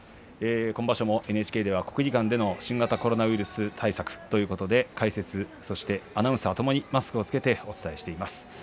今場所もＮＨＫでは国技館での新型コロナウイルス対策ということで解説、そしてアナウンサーともにマスクを着けてお伝えしています。